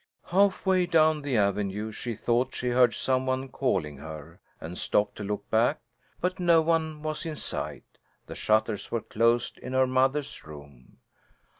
Half way down the avenue she thought she heard some one calling her, and stopped to look back. But no one was in sight. The shutters were closed in her mother's room.